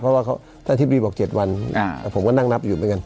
เพราะว่าท่านทิศบรีบอก๗วันผมก็นั่งนับอยู่ไปกัน